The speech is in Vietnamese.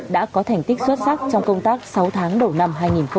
đã có thành tích xuất sắc trong công tác sáu tháng đầu năm hai nghìn một mươi chín